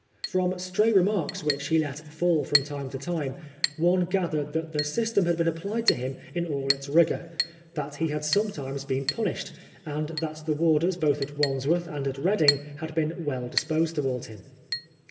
From stfey remarks which he let fall from time to time, one gathered that the system had been applied to him in all its rigour, that he had sometimes been punished, and that the warders both at Wandsworth and at Reading had been well disposed toward him.